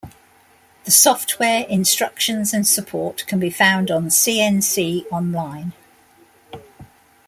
The software, instructions and support can be found on CnC Online.